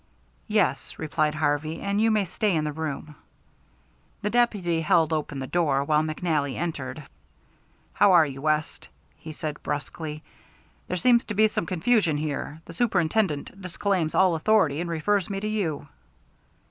"Yes," replied Harvey. "And you may stay in the room." The deputy held open the door, while McNally entered. "How are you, West?" he said brusquely. "There seems to be some confusion here. The Superintendent disclaims all authority, and refers me to you."